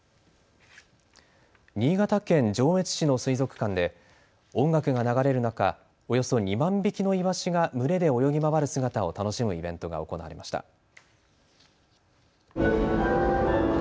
新潟県上越市の水族館で音楽が流れる中、およそ２万匹のイワシが群れで泳ぎ回る姿を楽しむイベントが行われました。